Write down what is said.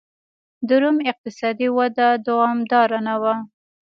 د روم اقتصادي وده دوامداره نه وه.